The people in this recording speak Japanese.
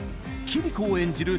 キリコを演じる